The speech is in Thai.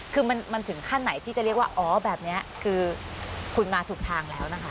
คือมันถึงขั้นไหนที่จะเรียกว่าอ๋อแบบนี้คือคุณมาถูกทางแล้วนะคะ